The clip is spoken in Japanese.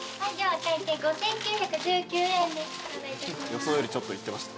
予想よりちょっといってました？